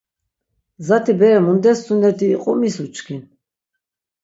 Zati bere mundes sunneti iqu mis uçkin?